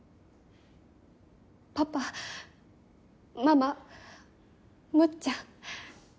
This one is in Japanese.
パパママむっちゃん。